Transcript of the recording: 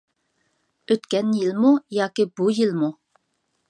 ئۆتكەن يىلمۇ ياكى بۇ يىلمۇ؟